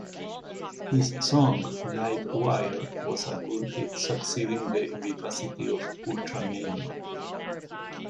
His song "Live Wire" was a good hit succeeding the vivacity of "Ultramania".